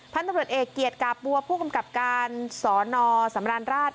พันธุรกิจเอกเกียรติกาปัวผู้กำกับการสนสำรรรณราช